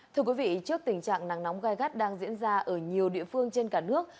thưa quý vị trước tình trạng nắng nóng gai gắt đang diễn ra ở nhiều địa phương trên cả nước